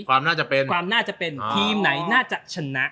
ความน่าจะเป็นทีมไหนน่าจะชนะ